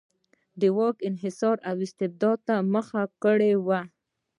د واک انحصار او استبداد ته مخه کړې وه.